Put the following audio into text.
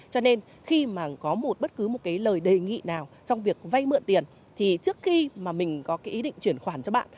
cho nên khi mà có một bất cứ một cái lời đề nghị nào trong việc vay mượn tiền thì trước khi mà mình có cái ý định chuyển khoản cho bạn